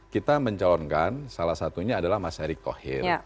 kita menjalankan salah satunya adalah mas erik thohir